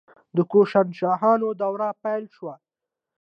د کوشانشاهانو دوره پیل شوه